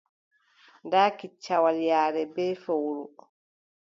Ndaa ni kiccawol yaare bee fowru.